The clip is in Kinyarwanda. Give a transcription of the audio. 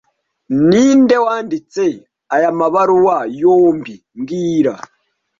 Ninde wanditse aya mabaruwa yombi mbwira